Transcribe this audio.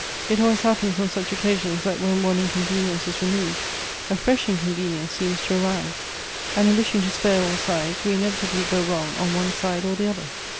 It always happens on such occasions that when one incon venience is removed, a fresh inconvenience seems to arise ; and in wishing to spare all sides, we inevitably go wrong on one side or the other.